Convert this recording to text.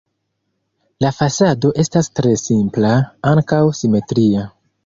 La fasado estas tre simpla, ankaŭ simetria.